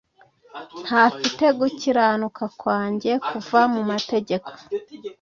ntafite gukiranuka kwanjye, kuva mu mategeko